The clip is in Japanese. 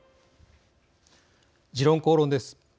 「時論公論」です。